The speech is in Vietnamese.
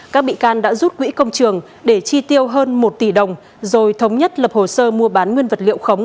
các bị can đã rút quỹ công trường để chi tiêu hơn một tỷ đồng rồi thống nhất lập hồ sơ mua bán nguyên vật liệu khống